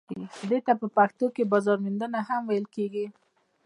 دې ته په پښتو کې بازار موندنه هم ویل کیږي.